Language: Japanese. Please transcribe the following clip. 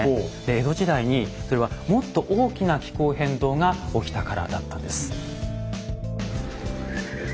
江戸時代にそれはもっと大きな気候変動が起きたからだったんです。